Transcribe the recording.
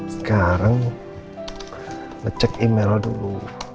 sekarang ngecek emailnya dulu